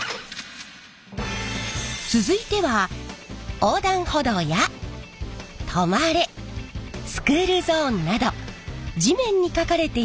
続いては横断歩道や「止まれ」「スクールゾーン」など地面にかかれている道路案内。